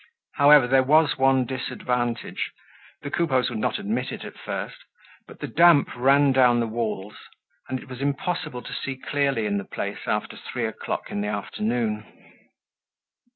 However, there was one disadvantage—the Coupeaus would not admit it at first—but the damp ran down the walls, and it was impossible to see clearly in the place after three o'clock in the afternoon.